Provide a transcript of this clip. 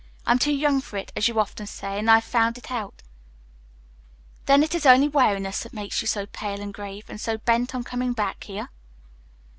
I'm too young for it, as you often say, and I've found it out." "Then it is only weariness that makes you so pale and grave, and so bent on coming back here?"